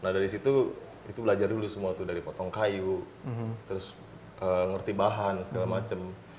nah dari situ itu belajar dulu semua tuh dari potong kayu terus ngerti bahan segala macem